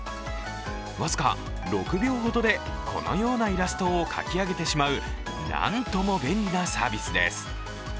僅か６秒ほどで、このようなイラストを描き上げてしまうなんとも便利なサービスです。